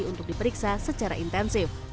untuk diperiksa secara intensif